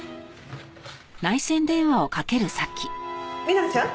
南ちゃん。